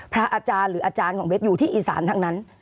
พระอาจารย์หรืออาจารย์ของเบสอยู่ที่อีสานทั้งนั้น